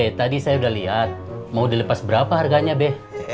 eh tadi saya udah lihat mau dilepas berapa harganya be